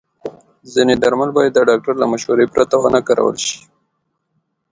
ځینې درمل باید د ډاکټر له مشورې پرته ونه کارول شي.